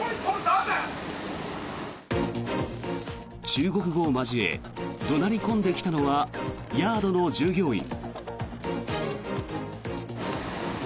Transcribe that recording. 中国語を交え怒鳴り込んできたのはヤードの従業員。